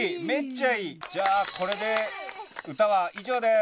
じゃあこれで歌は以上です！